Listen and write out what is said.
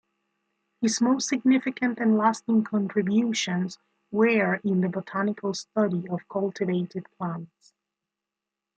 His most significant and lasting contributions were in the botanical study of cultivated plants.